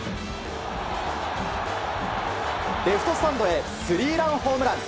レフトスタンドへスリーランホームラン！